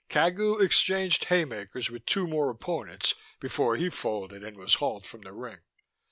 Cagu exchanged haymakers with two more opponents before he folded and was hauled from the ring.